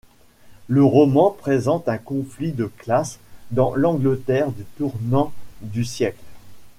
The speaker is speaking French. Le roman présente un conflit de classes dans l’Angleterre du tournant du siècle.